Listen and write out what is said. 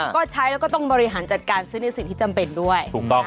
ก็ใช้แล้วก็ต้องบริหารจัดการซื้อในสิ่งที่จำเป็นด้วยถูกต้อง